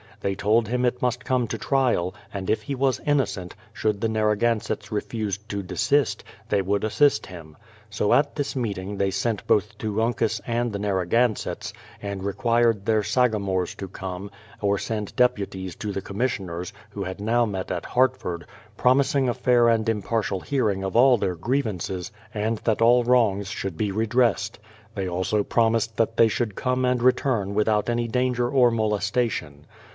They told him it must come to trial, and if he was innocent, should the Narragansetts refuse to desist, they would assist him. So at this meeting they sent both to Uncas and the Narragansetts, and required their sagamores to come, or send deputies to the commis sioners, who had now met at Hartford, promising a fair and impartial hearing of all their grievances, and that all wrongs should be redressed. They also promised that they should come and return without any danger or molestation.